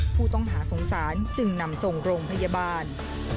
ผู้ต้องหาสงสารจึงนำส่งโรงพยาบาล